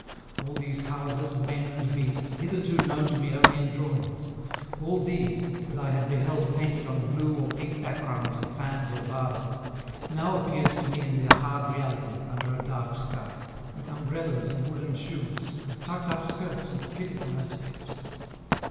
All these houses, men, and beasts, hitherto known to me only in drawings; all these, that I had beheld painted on blue or pink backgrounds of fans or vases, now appeared to me in their hard reality, under a dark sky, with umbrellas and wooden shoes, with tucked up skirts and pitiful aspect.